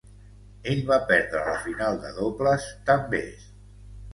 Ell va perdre la final de dobles també.